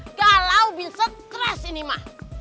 ini kalau bikin stress ini ma